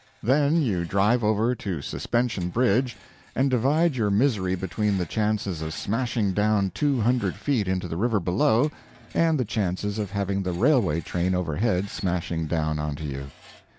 Then you drive over to Suspension Bridge, and divide your misery between the chances of smashing down two hundred feet into the river below, and the chances of having the railway train overhead smashing down onto you.